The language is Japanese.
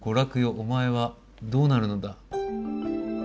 おまえはどうなるのだ」。